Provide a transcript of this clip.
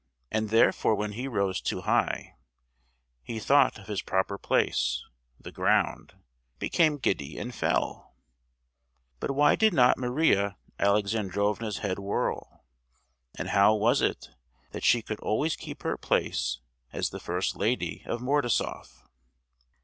and therefore when he rose too high, he thought of his proper place, the ground, became giddy and fell! But why did not Maria Alexandrovna's head whirl? And how was it that she could always keep her place as the first lady of Mordasoff?